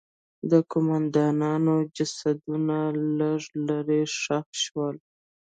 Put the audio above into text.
د قوماندانانو جسدونه لږ لرې ښخ شول.